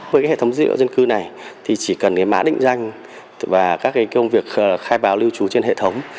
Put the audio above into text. với hệ thống dữ liệu dân cư này thì chỉ cần mã định danh và các công việc khai báo lưu trú trên hệ thống